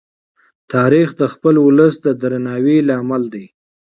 تاریخ د خپل ولس د درناوي لامل دی.